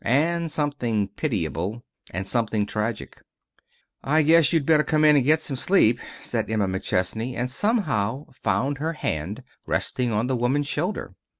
And something pitiable, and something tragic. "I guess you'd better come in and get some sleep," said Emma McChesney; and somehow found her hand resting on the woman's shoulder.